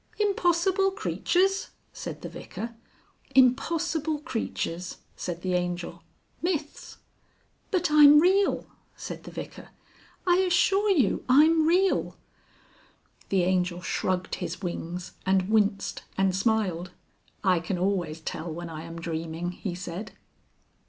"Impossible creatures!" said the Vicar. "Impossible creatures," said the Angel. "Myths." "But I'm real!" said the Vicar. "I assure you I'm real." The Angel shrugged his wings and winced and smiled. "I can always tell when I am dreaming," he said.